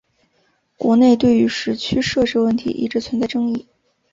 国内对于时区设置问题一直存在争议。